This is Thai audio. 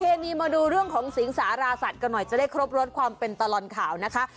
ีมาดูเรื่องของสิงสาราสัตว์กันหน่อยจะได้ครบรสความเป็นตลอดข่าวนะคะ